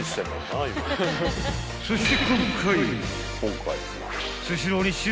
［そして］